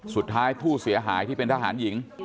สุดท้ายผู้เสียหายที่เป็นทหารหญิง